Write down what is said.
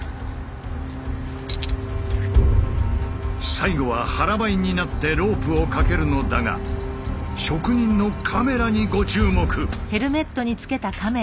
最後は腹ばいになってロープをかけるのだが職人のカメラにご注目！